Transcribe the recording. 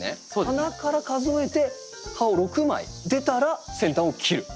花から数えて葉を６枚出たら先端を切る。